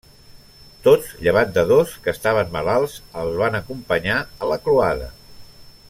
Tots llevat de dos, que estaven malalts, el van acompanyar a la croada.